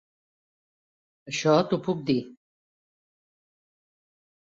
Això t'ho puc dir.